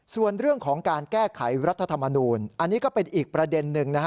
ส่วนเรื่องของการแก้ไขรัฐธรรมนูลอันนี้ก็เป็นอีกประเด็นหนึ่งนะฮะ